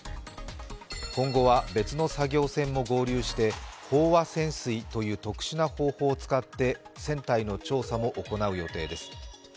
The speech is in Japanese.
今後は別の作業船も合流して飽和潜水という特殊な方法を使って船体の調査も行う予定です。